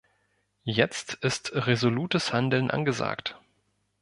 Jetzt ist resolutes Handeln angesagt.